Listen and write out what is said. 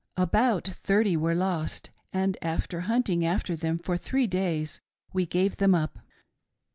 About' thirty were lost, and after hunting after them for three days, we gave them up.